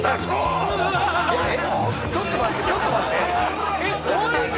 ちょっと待ってちょっと待ってえっ終わり際